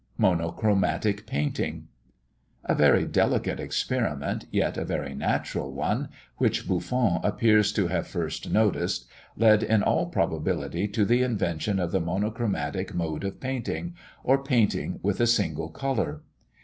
MONOCHROMATIC PAINTING. A very delicate experiment, yet a very natural one, which Buffon appears to have first noticed, led in all probability to the invention of the monochromatic mode of painting, or painting with a single colour.